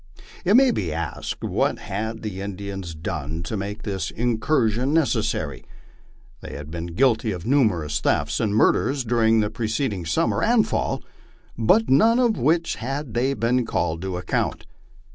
It may be asked, What had the Indians done to make this incursion neces sary? They had been guilty of numerous thefts and murders during the preced ing summer and fall, for none of which had they been called to account.